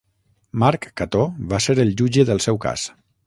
Marc Cató va ser el jutge del seu cas.